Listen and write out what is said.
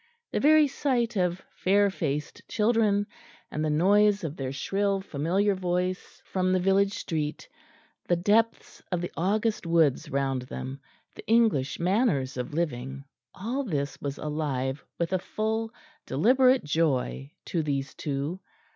The very sight of fair faced children, and the noise of their shrill familiar voices from the village street, the depths of the August woods round them, the English manners of living all this was alive with a full deliberate joy to these two.